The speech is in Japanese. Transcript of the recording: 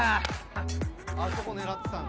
あそこ狙ってたんだよ。